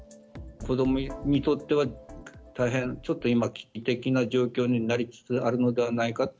子どもにとっては、大変、ちょっと今、危機的な状況になりつつあるのではないか。